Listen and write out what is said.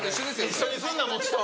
一緒にすんな餅と。